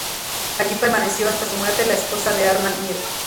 Allí permaneció hasta su muerte la esposa de Arnal Mir.